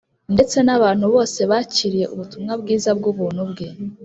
ndetse n’abantu bose bakiriye ubutumwa bwiza bw’ubuntu bwe